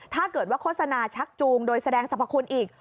ถ้าเกิดว่าโฆษณาชักจูงโดยแสดงสรรพคุณอีก